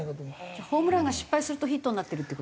じゃあホームランが失敗するとヒットになってるって事？